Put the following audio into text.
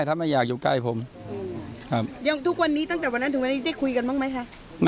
ถ้าไม่อยากอยู่ใกล้ผมครับยังทุกวันนี้ตั้งแต่วันนั้นถึงวันนี้ได้คุยกันบ้างไหมคะ